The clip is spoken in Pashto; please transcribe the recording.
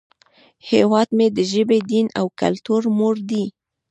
هیواد مې د ژبې، دین، او کلتور مور دی